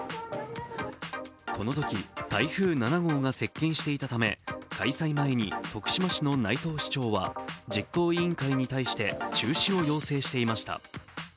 このとき台風７号が接近していたため徳島市の内藤市長は実行委員会に対して中止を要請していました。